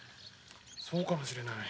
そうかもしれない。